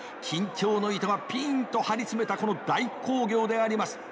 緊張の糸がピーンと張り詰めたこの大興行であります。